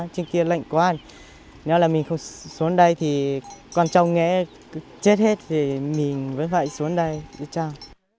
trên kia lạnh quá nếu là mình không xuống đây thì con trâu nghe chết hết thì mình vẫn phải xuống đây trăng